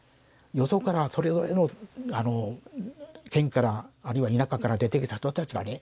よそからそれぞれの県からあるいは田舎から出てきた人たちがね